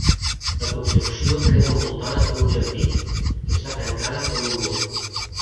La construcció queda envoltada per un jardí i està tancada per un mur.